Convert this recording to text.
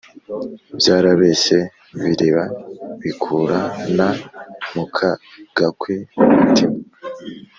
byarabeshye, biriba, bikura na muka gakwi umutima